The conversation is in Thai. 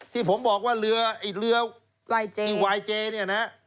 ที่ผมบอกว่าเรือไอ้เรือวายเจที่วายเจเนี่ยนะ